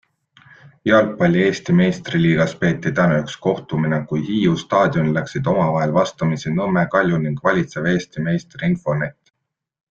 Jalgpalli Eesti meistriliigas peeti täna üks kohtumine, kui Hiiu staadionil läksid omavahel vastamisi Nõmme Kalju ning valitsev Eesti meister Infonet.